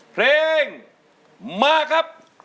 เพลงมาครับ